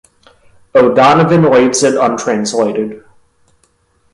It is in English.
O'Donovan leaves it untranslated.